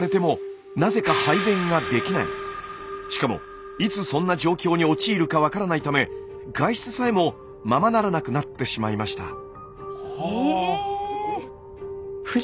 しかもいつそんな状況に陥るか分からないため外出さえもままならなくなってしまいました。